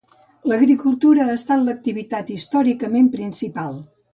L'agricultura ha estat l'activitat històricament principal.